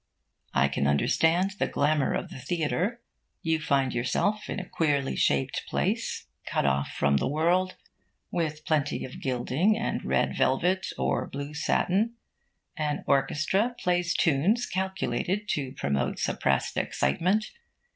I can understand the glamour of the theatre. You find yourself in a queerly shaped place, cut off from the world, with plenty of gilding and red velvet or blue satin. An orchestra plays tunes calculated to promote suppressed excitement.